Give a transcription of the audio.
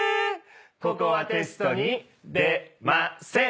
ここはテストに出ません。